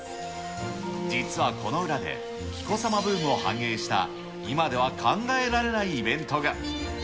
実はこの裏で、紀子さまブームを反映した今では考えられないイベントが。